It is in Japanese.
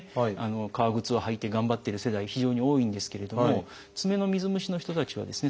革靴を履いて頑張ってる世代非常に多いんですけれども爪の水虫の人たちはですね